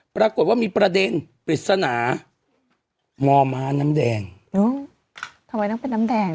ปรากฏว่ามีประเด็นปริศนามอม้าน้ำแดงทำไมต้องเป็นน้ำแดง